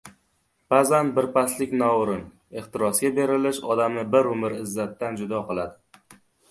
Ba’zan birpaslik noo‘rin ehtirosga berilish odamni bir umr izzatdan judo qiladi.